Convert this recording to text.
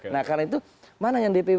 nah karena itu mana yang dpw